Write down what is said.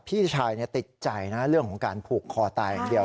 พี่ชายติดใจนะเรื่องของการผูกคอตายอย่างเดียว